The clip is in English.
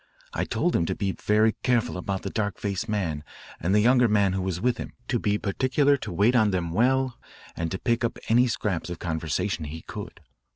I told him to be very careful about the dark faced man and the younger man who was with him, to be particular to wait on them well, and to pick up any scraps of conversation he could.